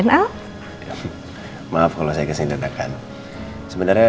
sampai jumpa di video selanjutnya